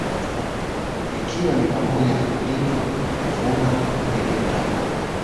Ikiwa ni pamoja na kulima kuvuna kupiga mtama